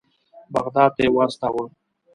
بغداد ته یې واستاوه.